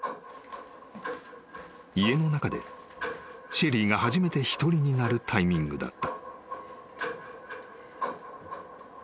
［家の中でシェリーが初めて一人になるタイミングだった］